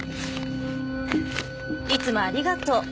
いつもありがとう。